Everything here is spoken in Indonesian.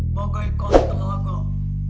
bagai kata agak